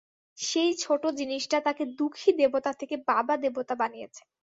সেই ছোট জিনিসটা তাকে দুখী দেবতা থেকে বাবা দেবতা বানিয়েছে।